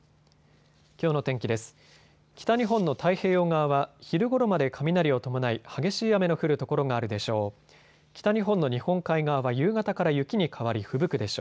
きょうの天気です。